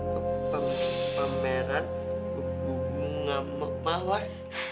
pem pem pem merah bu bu bunga mawar